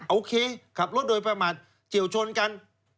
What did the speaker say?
โอเคขับรถโดยประมาทเฉียวชนกัน